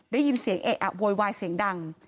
ได้ยินเสียงเอะอะโวยวายเสียงดัง